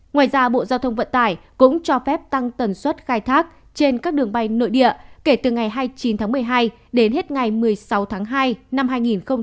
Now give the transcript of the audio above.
ngoài ra bộ giao thông vận tải cũng cho phép tăng tần suất khai thác trên các đường bay nội địa kể từ ngày hai mươi chín tháng một mươi hai đến hết ngày một mươi sáu tháng hai năm hai nghìn hai mươi